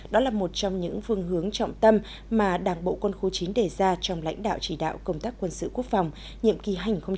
đó là một trong những phương hướng trọng tâm mà đảng bộ quân khu chín đề ra trong lãnh đạo chỉ đạo công tác quân sự quốc phòng nhiệm kỳ hai nghìn hai mươi hai nghìn hai mươi năm